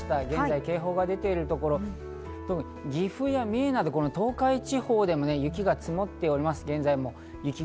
現在警報が出ているところ、岐阜や三重など東海地方でも雪が積もっております。